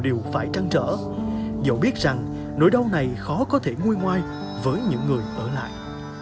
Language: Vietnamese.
điều phải trăng trở dẫu biết rằng nỗi đau này khó có thể nguôi ngoai với những người ở lại